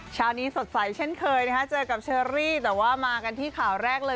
เช้านี้สดใสเช่นเคยนะฮะเจอกับเชอรี่แต่ว่ามากันที่ข่าวแรกเลย